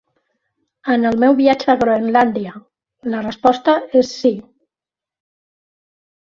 En el meu viatge a Groenlàndia, la resposta és sí.